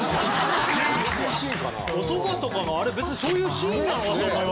おそばとかのあれ別にそういうシーンなの？と思いましたもん。